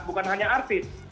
bukan hanya artis